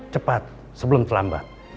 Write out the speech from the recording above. cepat sebelum terlambat